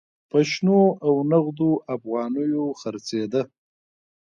په شنو او نغدو افغانیو خرڅېده.